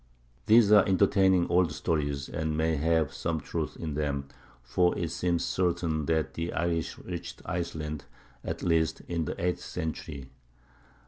These are entertaining old stories, and may have some truth in them, for it seems certain that the Irish reached Iceland, at least, in the eighth century.